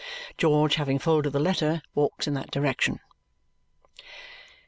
George, having folded the letter, walks in that direction.